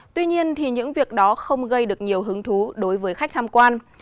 tuy nhiên thì những việc đó không gây được nhiều hứng thú đối với khách tham quan